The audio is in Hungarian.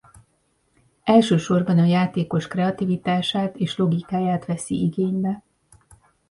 Elsősorban a játékos kreativitását és logikáját veszi igénybe.